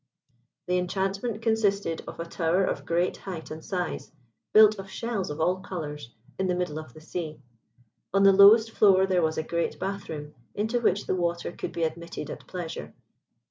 The enchantment consisted of a tower of great height and size, built of shells of all colours, in the middle of the sea. On the lowest floor there was a great bath room, into which the water could be admitted at pleasure.